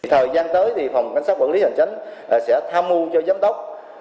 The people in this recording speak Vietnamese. thời gian tới thì phòng quan sát quản lý hành tránh sẽ tham mưu cho giám đốc